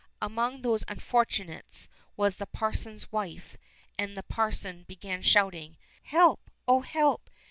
Among these unfortunates was the parson's wife, and the parson began shouting: "Help! oh help!